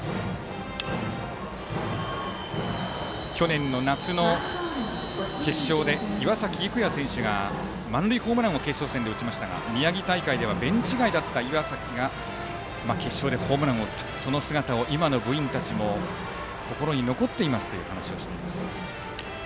去年の夏の決勝で岩崎生弥選手が満塁ホームランを決勝戦で打ちましたが宮城大会ではベンチ外だった岩崎がホームランを打ったというその姿が今の部員たちも心に残っていますと話をしています。